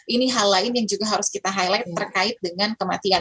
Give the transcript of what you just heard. ini hal lain yang juga harus kita highlight terkait dengan kematian